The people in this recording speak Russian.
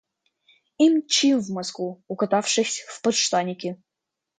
И мчи в Москву, укутавшись в подштанники.